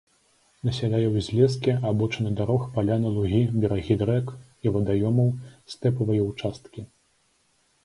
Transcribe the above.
Насяляе узлескі, абочыны дарог, паляны, лугі, берагі рэк і вадаёмаў, стэпавыя ўчасткі.